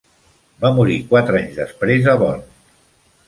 Va morir quatre anys després a Bonn.